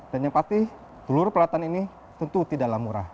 dan yang pasti seluruh peralatan ini tentu tidaklah murah